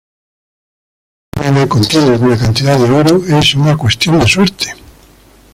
Si alguna mena contiene alguna cantidad de oro, es una cuestión de suerte.